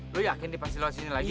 lo yakin dia pasti lewat sini lagi